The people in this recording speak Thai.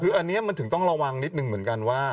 คืออันนี้มันถึงต้องระวังนิดนึงเหมือนกันว่า